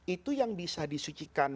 itu yang bisa disucikan